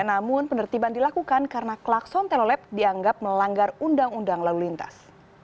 namun penertiban dilakukan karena klakson telolet dianggap melanggar undang undang lalu lintas